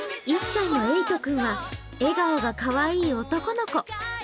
１歳のえいと君は笑顔がかわいい男の子。